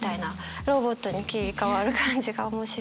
ロボットに切り替わる感じが面白いなと思います。